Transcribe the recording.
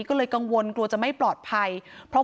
พูดใหญ่บ้านเคยขู่ถึงขั้นจะฆ่าให้ตายด้วยค่ะ